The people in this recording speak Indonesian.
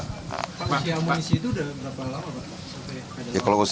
pak usia munisi itu sudah berapa lama pak